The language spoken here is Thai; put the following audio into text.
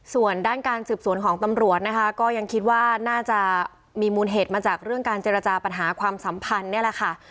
ส่วนด้านการสืบสวนของตำรวจนะคะก็ยังคิดว่าน่าจะมีมูลเหตุมาจากเรื่องการเจรจาปัญหาความสัมพันธ์นี่แหละค่ะ